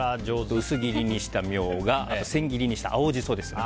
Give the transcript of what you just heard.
薄切りにしたミョウガ千切りにした青ジソです。